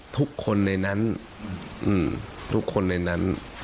ทุกคนในนั้นทุกคนในนั้น